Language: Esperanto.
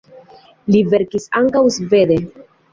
Li verkis ankaŭ svede.